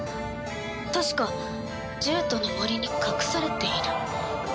確か獣人の森に隠されているという。